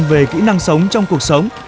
về kỹ năng sống trong cuộc sống